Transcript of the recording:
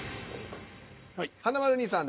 華丸兄さん